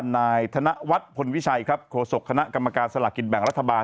นายธนวัฒน์พลวิชัยครับโฆษกคณะกรรมการสลากกินแบ่งรัฐบาล